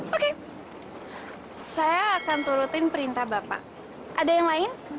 oke saya akan turutin perintah bapak ada yang lain